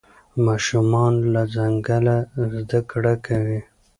ماشومان له ځنګله زده کړه کوي.